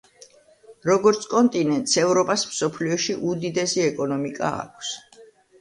როგორც კონტინენტს, ევროპას მსოფლიოში უდიდესი ეკონომიკა აქვს.